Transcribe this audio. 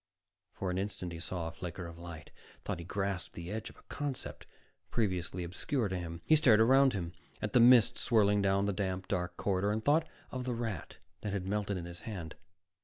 _ For an instant, he saw a flicker of light, thought he grasped the edge of a concept previously obscure to him. He stared around him, at the mist swirling down the damp, dark corridor, and thought of the rat that had melted in his hand.